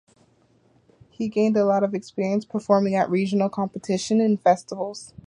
He gained a lot of experience performing at regional competitions and festivals.